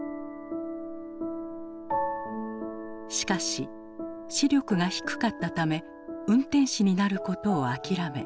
しかし視力が低かったため運転士になることを諦め